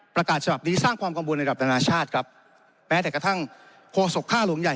ประกาศฉบับนี้สร้างความกังวลระดับนานาชาติครับแม้แต่กระทั่งโฆษกค่าหลวงใหญ่